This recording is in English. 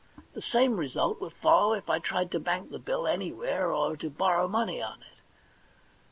The same result would follow if I tried to bank the bill anywhere or to borrow money on it.